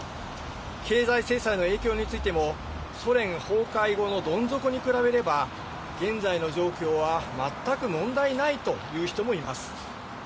経済制裁の影響についても、ソ連崩壊後のどん底に比べれば、現在の状況は全く問題ないと言う人もいます。